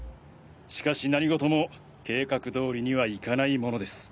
しかし何事も計画通りにはいかないものです。